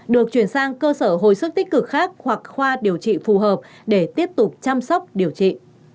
được chuyển sang cơ sở hồi sức tích cực khác hoặc khoa điều trị phù hợp để tiếp tục chăm sóc điều trị